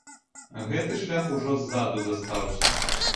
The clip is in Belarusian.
Гэты шлях ужо ззаду застаўся.